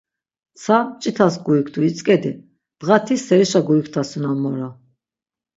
Tsa mç̌itas guiktu itzǩedi, dğati serişa guiktasunon moro.